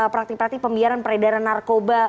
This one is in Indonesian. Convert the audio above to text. praktik praktik pembiaran peredaran narkoba